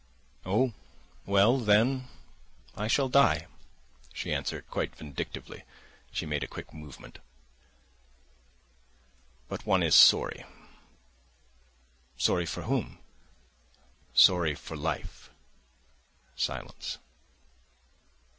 "Oh, well, then I shall die," she answered, quite vindictively, and she made a quick movement. "But one is sorry." "Sorry for whom?" "Sorry for life." Silence.